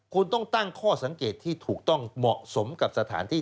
คุณต้องตั้งข้อสังเกตที่ถูกต้องเหมาะสมกับสถานที่